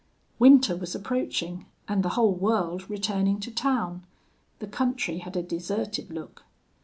"Winter was approaching, and the whole world returning to town; the country had a deserted look.